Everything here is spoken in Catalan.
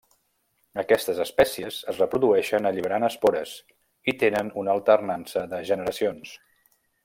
Aquestes espècies es reprodueixen alliberant espores i tenen una alternança de generacions.